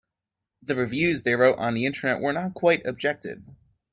The reviews they wrote on the Internet were not quite objective.